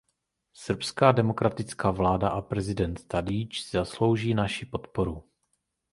Srbská demokratická vláda a prezident Tadić si zaslouží naši podporu.